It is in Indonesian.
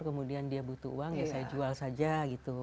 kemudian dia butuh uang ya saya jual saja gitu